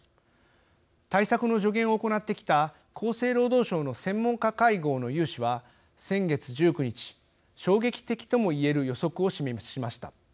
対策の助言を行ってきた厚生労働省の専門家会合の有志は先月１９日衝撃的とも言える予測を示しました。